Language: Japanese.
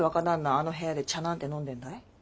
あの部屋で茶なんて飲んでんだい？